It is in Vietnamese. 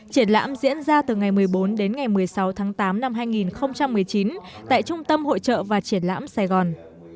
triển lãm diễn ra từ ngày một mươi bốn đến ngày một mươi sáu tháng tám năm hai nghìn một mươi chín tại trung tâm hội trợ và triển lãm sài gòn